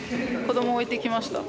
子供置いてきました。